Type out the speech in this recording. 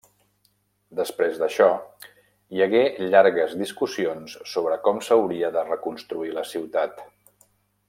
Després d'això, hi hagué llargues discussions sobre com s'hauria de reconstruir la ciutat.